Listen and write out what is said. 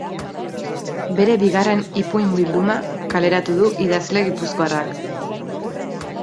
Bere bigarren ipuin bilduma kaleratu du idazle gipuzkoarrak.